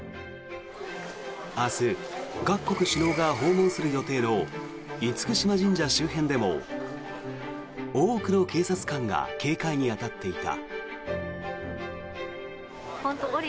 明日、各国首脳が訪問する予定の厳島神社周辺でも多くの警察官が警戒に当たっていた。